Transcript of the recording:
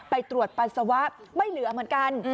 ไปตรวจปัสสาวะไม่เหลือเหมือนกัน